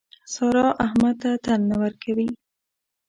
سارا احمد ته تن نه ورکوي.